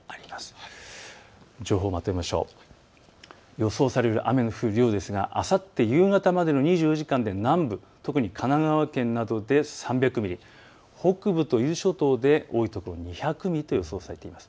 予想される雨の降る量ですがあさって夕方までの２４時間で南部、特に神奈川県などで３００ミリ、北部と伊豆諸島で多い所２００ミリと予想されています。